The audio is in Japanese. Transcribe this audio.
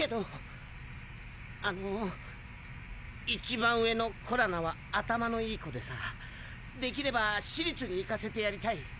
あの一番上のコラナは頭のいい子でさできれば私立に行かせてやりたい。